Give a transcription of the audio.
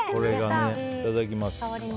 いただきます。